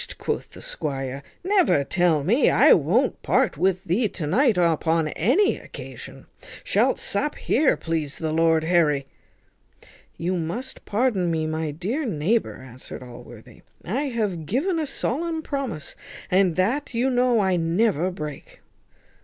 quoth the squire, "never tell me. I won't part with thee to night upon any occasion. Shalt sup here, please the lord Harry." "You must pardon me, my dear neighbour!" answered Allworthy; "I have given a solemn promise, and that you know I never break."